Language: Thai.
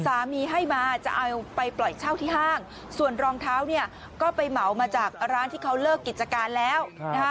สามีให้มาจะเอาไปปล่อยเช่าที่ห้างส่วนรองเท้าเนี่ยก็ไปเหมามาจากร้านที่เขาเลิกกิจการแล้วนะคะ